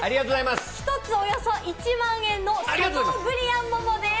１つおよそ１万円のシャトーブリアン桃です。